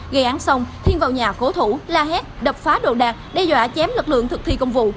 gây án xong thiên vào nhà cố thủ la hét đập phá đồ đạc đe dọa chém lực lượng thực thi công vụ